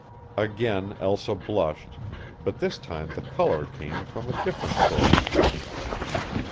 Again Elsa blushed, but this time the color came from a different source.